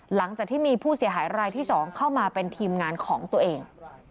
หลังจากที่มีผู้เสียหายรายที่๒เข้ามาเป็นทีมงานของตัวเอง